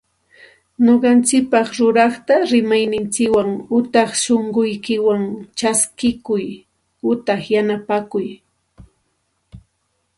Ñuqanchikpaq ruraqta rimayninchikwan utaq sunqunchikwan chaskikuy utaq yanapakuy